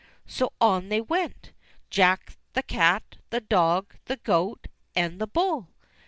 So on they went. Jack, the cat, the dog, the goat, and the bull.